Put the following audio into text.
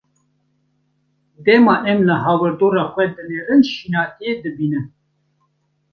Dema em li hawîrdora xwe dinêrin şînatiyê dibînin.